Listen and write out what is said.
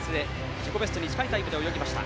自己ベストに近いタイムで泳ぎました。